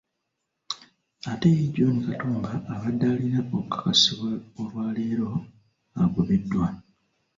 Ate ye John Katumba abadde alina okukakasibwa olwaleero agobeddwa